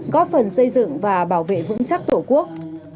góp phần xây dựng và bảo vệ vững chắc tổ quốc